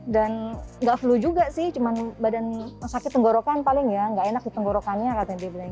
dan enggak flu juga sih cuma badan sakit tenggorokan paling ya enggak enak tuh tenggorokannya katanya